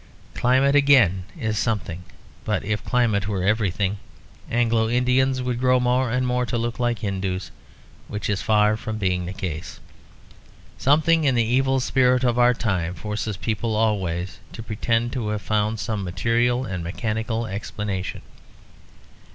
Climate again is something; but if climate were everything, Anglo Indians would grow more and more to look like Hindoos, which is far from being the case. Something in the evil spirit of our time forces people always to pretend to have found some material and mechanical explanation.